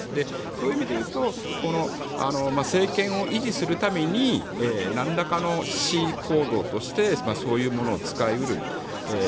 そういう意味でいうと政権を維持するために何らかの恣意行動としてそういうものを使いうる。